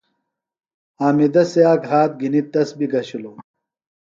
حامدہ سِیاک ہات گِھنیۡ تس بیۡ گھشِلوۡ۔